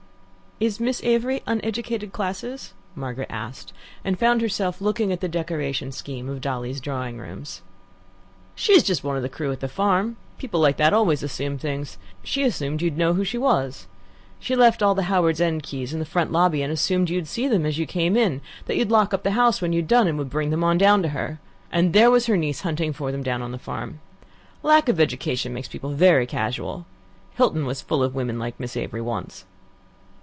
"Is Miss Avery uneducated classes?" Margaret asked, and found herself looking at the decoration scheme of Dolly's drawing room. "She's just one of the crew at the farm. People like that always assume things. She assumed you'd know who she was. She left all the Howards End keys in the front lobby, and assumed that you'd seen them as you came in, that you'd lock up the house when you'd done, and would bring them on down to her. And there was her niece hunting for them down at the farm. Lack of education makes people very casual. Hilton was full of women like Miss Avery once."